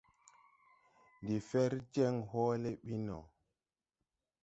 Ndi fer jeŋ hoole ɓi no.